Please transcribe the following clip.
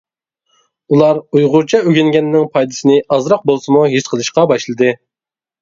ئۇلار ئۇيغۇرچە ئۆگەنگەننىڭ پايدىسىنى ئازراق بولسىمۇ ھېس قىلىشقا باشلىدى.